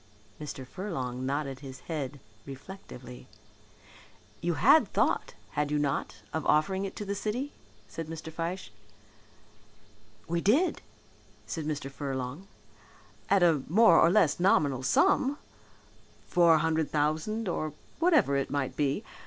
Mr. Furlong nodded his head reflectively. "You had thought, had you not, of offering it to the city?" said Mr. Fyshe. "We did," said Mr. Furlong, "at a more or less nominal sum four hundred thousand or whatever it might be.